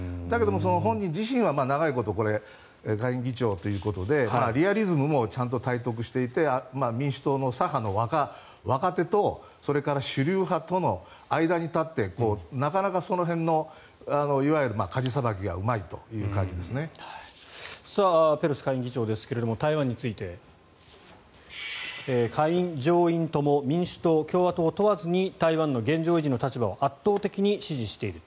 本人自身は長年、下院議長ということでリアリズムもちゃんと体得していて民主党の左派の若手とそれから主流派との間に立ってなかなかその辺のいわゆるかじさばきがペロシ下院議長ですが台湾について下院・上院とも民主党、共和党問わずに台湾の現状維持の立場を圧倒的に支持している。